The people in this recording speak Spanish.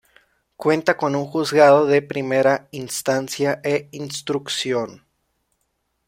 Cuenta con un Juzgado de Primera Instancia e Instrucción.